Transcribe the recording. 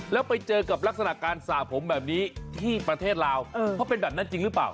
แล้วไปเจอกับลักษณะการสระผมแบบนี้ที่ประเทศลาวเขาเป็นแบบนั้นจริงหรือเปล่า